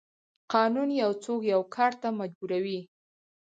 قانون یو څوک یو کار ته مجبوروي.